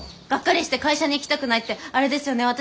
「ガッカリして会社に行きたくない」ってあれですよね